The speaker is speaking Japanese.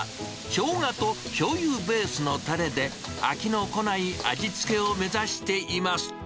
しょうがとしょうゆベースのたれで、飽きのこない味付けを目指しています。